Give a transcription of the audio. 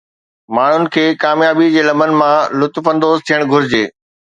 ماڻهن کي ڪاميابي جي لمحن مان لطف اندوز ٿيڻ گهرجي